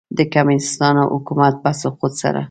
د کمونیسټانو حکومت په سقوط سره.